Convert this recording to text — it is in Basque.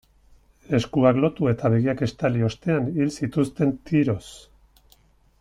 Eskuak lotu eta begiak estali ostean hil zituzten, tiroz.